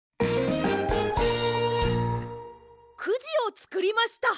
くじをつくりました！